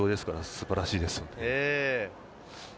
素晴らしいですよね。